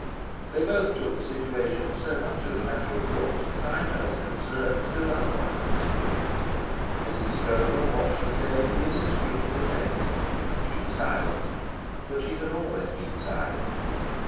They both took the situation so much as a matter of course that I felt it absurd to do otherwise. Mrs. Stroeve watched the game with inscrutable face. She was silent, but she had always been silent.